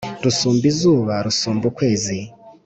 Rusumba izuba rusumba ukwezi